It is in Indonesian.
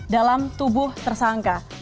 dalam tubuh tersangka